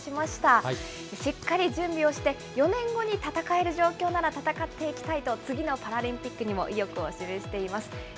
しっかり準備をして、４年後に戦える状況なら戦っていきたいと、次のパラリンピックにも意欲を示しています。